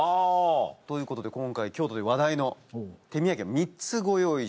ということで今回京都で話題の手土産３つご用意しました。